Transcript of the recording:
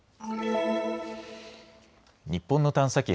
日本の探査機